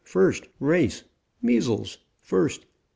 FIRST.RACE..MEASLES. FIRST..